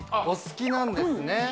お好きなんですね